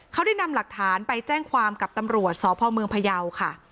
เขาได้นำหลักฐานไปแจ้งความกับตำรวจสพเมืองพยาวค่ะ